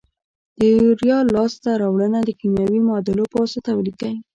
د یوریا لاس ته راوړنه د کیمیاوي معادلو په واسطه ولیکئ.